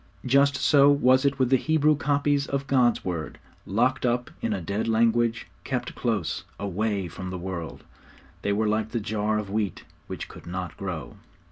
Just so was it with the Hebrew copies of God's Word. Locked up in a dead language, kept close, away from the world, they were like the jar of wheat which could not grow.